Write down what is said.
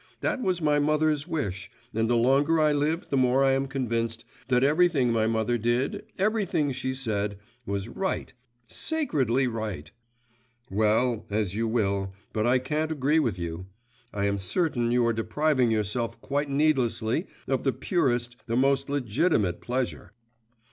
That was my mother's wish, and the longer I live the more I am convinced that everything my mother did, everything she said, was right, sacredly right.' 'Well, as you will, but I can't agree with you; I am certain you are depriving yourself quite needlessly of the purest, the most legitimate pleasure.